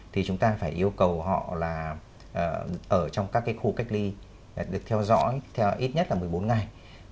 thì chúng ta phải yêu cầu họ ở trong các khu cách ly được theo dõi ít nhất là một mươi bốn ngày